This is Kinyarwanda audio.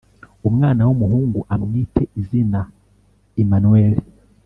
umwana w umuhungu amwite izina Imanweli